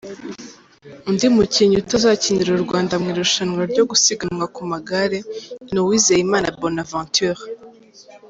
Undi mukinnyi utazakinira u Rwanda mu irushanwa ryo gusiganwa ku magare ni Uwizeyimana Bonaventure.